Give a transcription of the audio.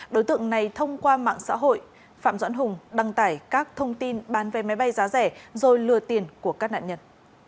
đối tượng này thông qua mạng xã hội phạm doãn hùng đăng tải các thông tin bán vé máy bay giá rẻ rồi lừa tiền của các nạn nhân